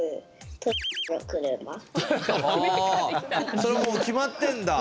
それもう決まってんだ。